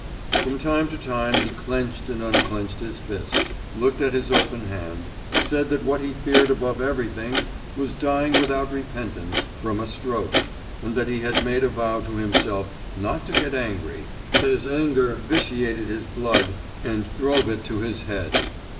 From time to time he clenched and unclenched his fist, looked at his open hand, said that what he feared above everything was dying without repentance, from a stroke, and that he had made a vow to himself not to get angry, as anger vitiated his blood and drove it to his head.